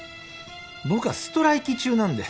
僕はストライキ中なんで。